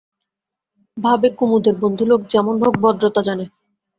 ভাবে, কুমুদের বন্ধু লোক যেমন হোক ভদ্রতা জানে।